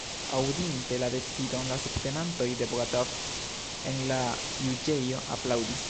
Aŭdinte la decidon, la subtenantoj de Bogatov en la juĝejo aplaŭdis.